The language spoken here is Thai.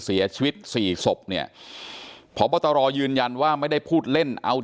เสียชีวิตสี่ศพเนี่ยพบตรยืนยันว่าไม่ได้พูดเล่นเอา